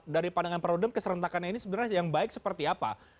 dari pandangan perudem keserentakannya ini sebenarnya yang baik seperti apa